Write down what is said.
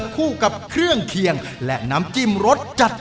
เป็นไงครับ